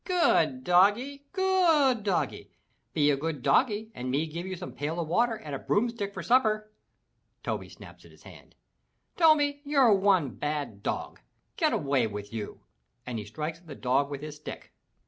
"Good doggie! Good doggie. Be a good doggie and me give you some pail of water and a broomstick for supper!" Toby snaps at his hand. "Toby, you're one bad dog! Get away with you!" and he strikes at the dog with his stick.